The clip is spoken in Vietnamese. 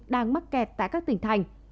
đang mắc kẹt tại các tỉnh thành